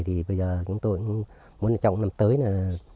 thì bây giờ chúng tôi muốn là trong năm tới là